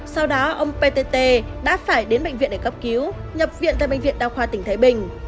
sau đó ông ptt đã phải đến bệnh viện để cấp cứu nhập viện tại bệnh viện đa khoa tỉnh thái bình